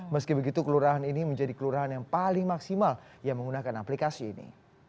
meski begitu kelurahan ini menjadi kelurahan yang paling maksimal yang menggunakan aplikasi ini